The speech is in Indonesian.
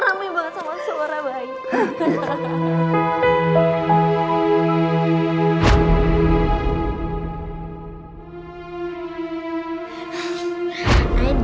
rame banget sama suara bayi